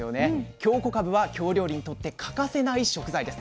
京こかぶは京料理にとって欠かせない食材です。